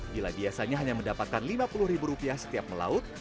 bila biasanya hanya mendapatkan lima puluh ribu rupiah setiap melaut